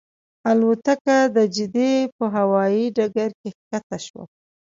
الوتکه د جدې په هوایي ډګر کې ښکته شوه.